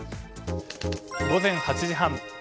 午前８時半。